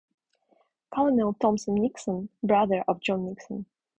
Colonel Thomas Nixon - Brother of John Nixon.